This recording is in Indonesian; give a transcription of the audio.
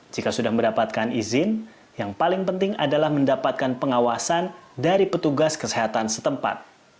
jika sudah mendapatkan izin yang paling penting adalah mendapatkan pengawasan dari petugas kesehatan setempat